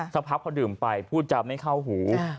สักพักพอดื่มไปพูดจะไม่เข้าหู